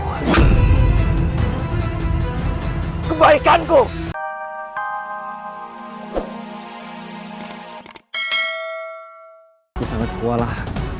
aku sangat kuat lah